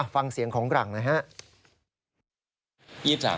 ฟังเสียงของหลังนะฮะ